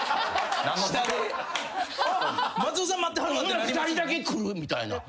ほな２人だけ来るみたいな。